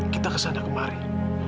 kita kesana kemarin